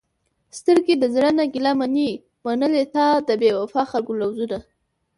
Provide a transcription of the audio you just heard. سترګې د زړه نه ګېله منې، منلې تا د بې وفاء خلکو لوظونه